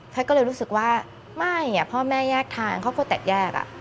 แพทย์ก็เลยรู้สึกว่าไม่พ่อแม่แยกทางเขาก็แตกแยก